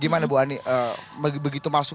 gimana bu ani begitu masuk